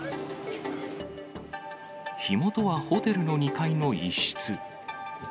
火元はホテルの２階の一室。